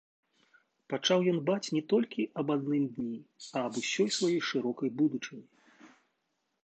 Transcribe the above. Пачаў ён дбаць не толькі аб адным дні, а аб усёй сваёй шырокай будучыні.